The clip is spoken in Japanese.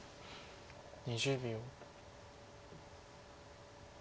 ２０秒。